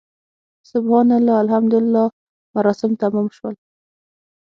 سبحان الله، الحمدلله مراسم تمام شول.